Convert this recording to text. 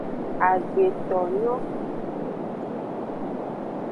Agbetonyo.